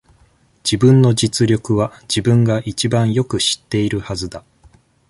自分の実力は、自分が一番よく知っているはずだ。